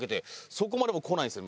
そこまでも来ないんですよ。